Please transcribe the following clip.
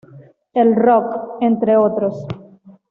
El Rock, entre otros.